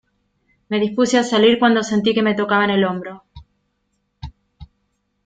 Me dispuse a salir cuando sentí que me tocaban el hombro.